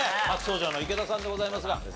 初登場の池田さんでございますが。